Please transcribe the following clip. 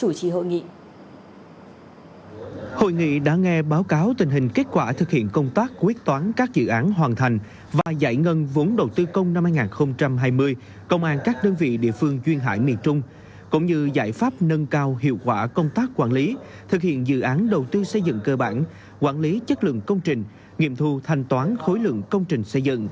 hội nghị đã nghe báo cáo tình hình kết quả thực hiện công tác quyết toán các dự án hoàn thành và giải ngân vốn đầu tư công năm hai nghìn hai mươi công an các đơn vị địa phương duyên hải miền trung cũng như giải pháp nâng cao hiệu quả công tác quản lý thực hiện dự án đầu tư xây dựng cơ bản quản lý chất lượng công trình nghiệm thu thành toán khối lượng công trình